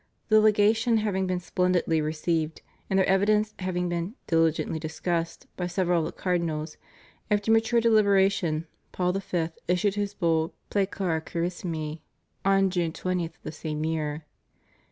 The Legation having been splendidly re ceived, and their evidence having been "diligently dis cussed" by several of the Cardinals, "after mature deliher ation," Paul IV. issued his Bull Proeclara carissimi on June 20 of the same year.